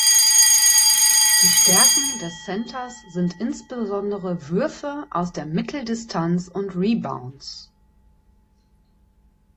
Die Stärken des Centers sind insbesondere Würfe aus der Mitteldistanz und Rebounds.